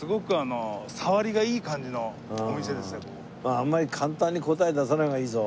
あんまり簡単に答え出さない方がいいぞ。